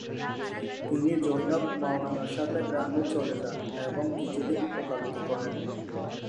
তিনি জনৈক মাওলানার সাথে গ্রামে চলে যান এবং কিছুদিন উকালতি করেন।